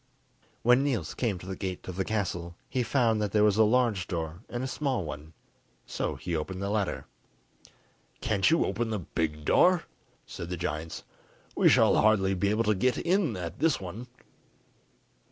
When Niels came to the gate of the castle, he found that there was a large door and a small one, so he opened the latter. "Can't you open the big door?" said the giants; "we shall hardly be able to get in at this one."